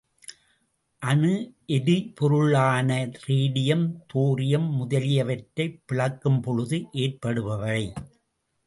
அணு எரிபொருள்களான radium, thorium முதலியவற்றைப் பிளக்கும்பொழுது ஏற்படுபவை.